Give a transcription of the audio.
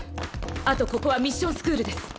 あとここはミッションスクールです。